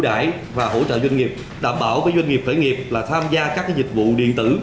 đại và hỗ trợ doanh nghiệp đảm bảo với doanh nghiệp khởi nghiệp là tham gia các dịch vụ điện tử